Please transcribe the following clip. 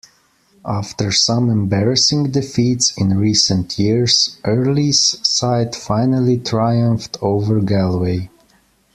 After some embarrassing defeats in recent years, Earley's side finally triumphed over Galway.